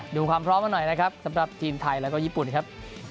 ดูความพร้อมมาหน่อยนะครับสำหรับทีมไทยแล้วก็ญี่ปุ่นครับ